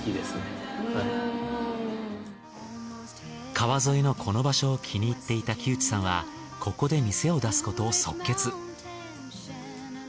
川沿いのこの場所を気に入っていた木内さんはここで店を出すことを即決。